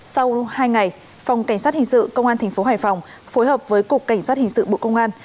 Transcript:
sau hai ngày phòng cảnh sát hình sự công an tp hải phòng phối hợp với cục cảnh sát hình sự bộ công an